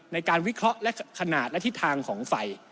ในการวิเคราะห์และขนาดและทิศทางของไฟ